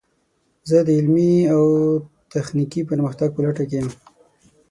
زه د علمي او تخنیکي پرمختګ په لټه کې یم.